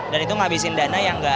dan itu menghabisin dana